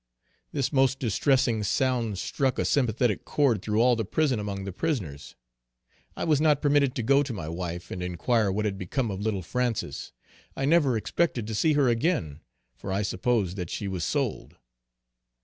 This most distressing sound struck a sympathetic chord through all the prison among the prisoners. I was not permitted to go to my wife and inquire what had become of little Frances. I never expected to see her again, for I supposed that she was sold.